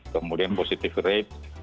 kemudian positif rate